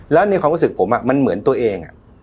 แล้วในความรู้สึกผมมันเหมือนตัวเอง